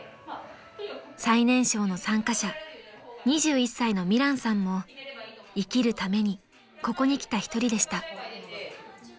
［最年少の参加者２１歳の美蘭さんも生きるためにここに来た１人でした］